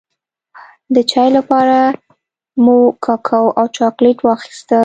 د چای لپاره مو ککو او چاکلېټ واخيستل.